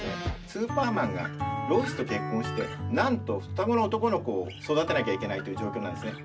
スーパーマンがロイスと結婚してなんと双子の男の子を育てなきゃいけないという状況なんですね。